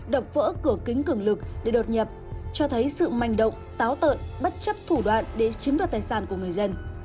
đập vỡ cửa kính cường lực để đột nhập cho thấy sự manh động táo tợn bất chấp thủ đoạn để chiếm đoạt tài sản của người dân